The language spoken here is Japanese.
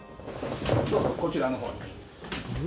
どうぞこちらの方に。